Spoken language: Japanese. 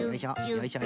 よいしょ。